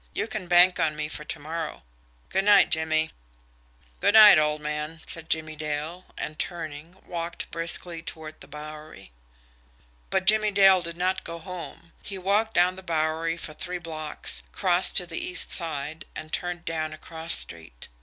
"You can bank on me for to morrow. Good night, Jimmie." "Good night, old man," said Jimmie Dale, and, turning, walked briskly toward the Bowery. But Jimmie Dale did not go home. He walked down the Bowery for three blocks, crossed to the east side, and turned down a cross street.